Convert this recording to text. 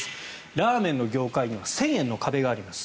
ラーメンの業界には１０００円の壁があります。